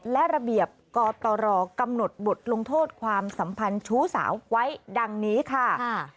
และระเบียบกตรกำหนดบทลงโทษความสัมพันธ์ชู้สาวไว้ดังนี้ค่ะ